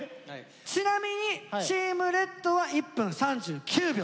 ちなみにチームレッドは１分３９秒。